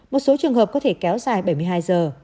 một số trường hợp có thể kéo dài bảy mươi hai giờ